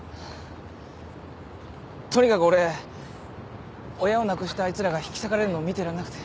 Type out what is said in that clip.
とにかく俺親を亡くしたあいつらが引き裂かれるのを見てらんなくて。